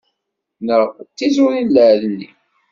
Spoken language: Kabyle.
Neɣ d tiẓurin n lɛedni.